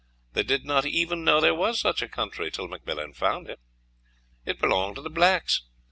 They did not even know there was such a country till McMillan found it. It belonged to the blacks.